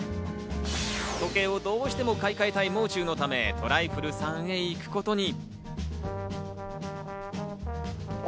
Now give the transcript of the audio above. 時計をどうしても買い換えたい、もう中のため、とらいふるさんへ行くことに。